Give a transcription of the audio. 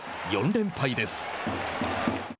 ４連敗です。